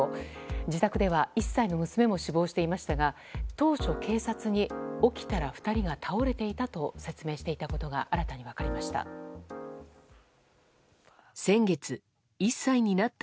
自宅では１歳の娘も死亡していましたが当初、警察に起きたら２人が倒れていたと説明していたことが新たに分かりました。